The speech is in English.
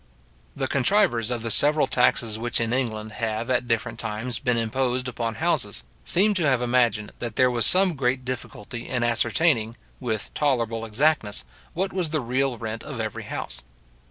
The contrivers of the several taxes which in England have, at different times, been imposed upon houses, seem to have imagined that there was some great difficulty in ascertaining, with tolerable exactness, what was the real rent of every house.